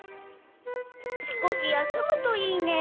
すこしやすむといいネ。